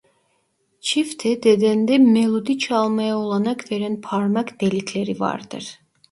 Çifte dedende melodi çalmaya olanak veren parmak delikleri vardır.